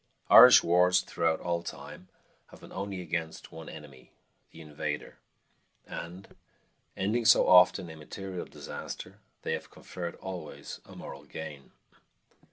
Irish wars, throughout all time, have been only against one enemy, the invader, and, ending so often in material disaster, they have conferred always a moral gain.